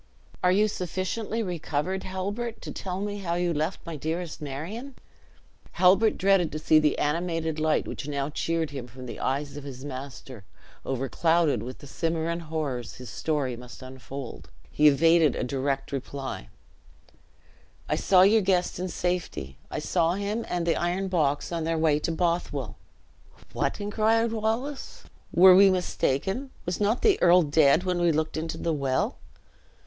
"Are you sufficiently recovered, Halbert, to tell me how you left my dearest Marion." Halbert dreaded to see the animated light which now cheered him from the eyes of his master, overclouded with the Cimmerian horrors his story must unfold; he evaded a direct reply; "I saw your guest in safety; I saw him and the iron box on their way to Bothwell?" "What!" inquired Wallace, "were we mistaken? was not the earl dead when we looked into the well?"